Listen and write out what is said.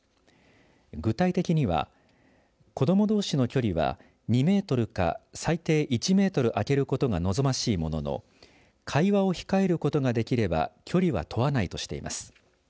具体的には子どもどうしの距離は２メートルか、最低１メートル空けることが望ましいものの会話を控えることができれば距離は問わないとしています。